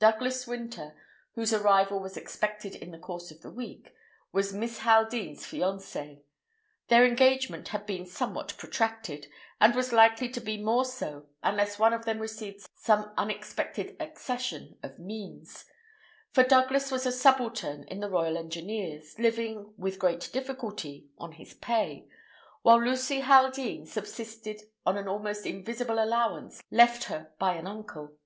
Douglas Winter, whose arrival was expected in the course of the week, was Miss Haldean's fiancé. Their engagement had been somewhat protracted, and was likely to be more so, unless one of them received some unexpected accession of means; for Douglas was a subaltern in the Royal Engineers, living, with great difficulty, on his pay, while Lucy Haldean subsisted on an almost invisible allowance left her by an uncle.